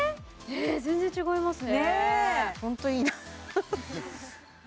全然違いますねね